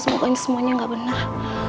semoga semuanya gak benar